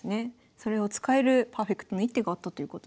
それを使えるパーフェクトな一手があったということで。